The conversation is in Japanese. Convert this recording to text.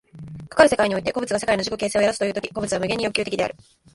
かかる世界において個物が世界の自己形成を宿すという時、個物は無限に欲求的である。